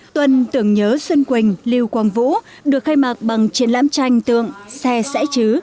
tuần tưởng nhớ xuân quỳnh liêu quang vũ được khai mạc bằng triển lãm tranh tượng xe xẽ chứ